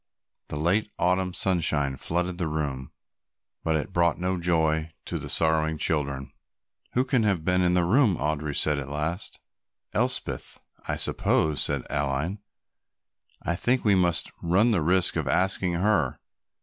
The late Autumn sunshine flooded the room, but it brought no joy to the sorrowing children. "Who can have been in the room?" Audry said at last. "Elspeth, I suppose," said Aline. "I think we must run the risk of asking her.